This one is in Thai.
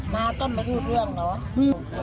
อ๋อมาก็ไม่รู้เรื่องหน่อย